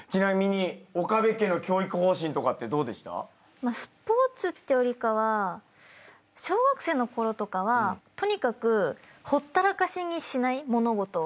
まあスポーツっていうよりかは小学生のころとかはとにかくほったらかしにしない物事を。